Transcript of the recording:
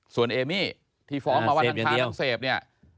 ส่วนเอมี่ที่ฟ้องมาว่าทั้งค้าทั้งเสพเนี่ย